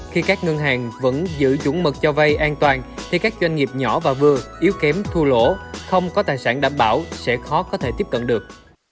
khi các ngân hàng vẫn giữ chuẩn mực cho vay an toàn thì các doanh nghiệp nhỏ và vừa yếu kém thu lỗ không có tài sản đảm bảo sẽ khó có thể tiếp cận được